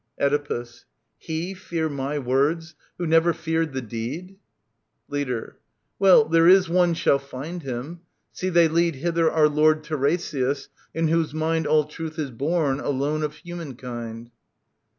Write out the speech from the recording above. Oedipus. He fear my words, who never feared the deed ? Leader. Well, there is one shall find him. — See, they lead Hither our Lord Tiresias, in whose mind All truth is born, alone of human kind.